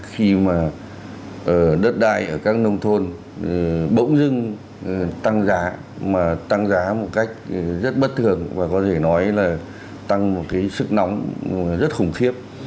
khi mà đất đai ở các nông thôn bỗng dưng tăng giá mà tăng giá một cách rất bất thường và có thể nói là tăng một cái sức nóng rất khủng khiếp